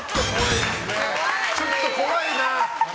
ちょっと怖いな。